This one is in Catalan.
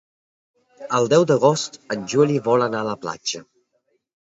El deu d'agost en Juli vol anar a la platja.